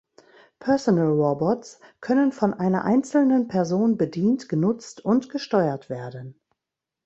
Personal Robots können von einer einzelnen Person bedient, genutzt und gesteuert werden.